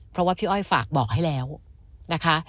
เพราะว่าพี่อ้อยฝากบอกให้แล้วนะคะ